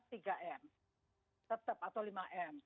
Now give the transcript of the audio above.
tetap atau lima m